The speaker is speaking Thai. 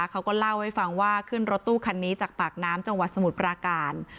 เขาก็เล่าให้ฟังว่าขึ้นรถตู้คันนี้จากปากน้ำจังหวัดสมุทรปราการ